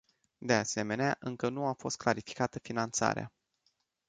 De asemenea, încă nu a fost clarificată finanțarea.